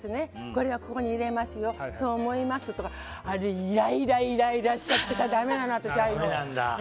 これはここに入れますよそう思いますとかあれイライラしちゃってさだめなの、ああいうの。